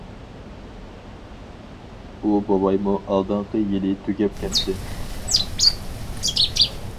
ئۇ بوۋايمۇ ئالدىنقى يىلى تۈگەپ كەتتى.